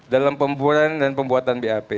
dalam pembuaran dan pembuatan bap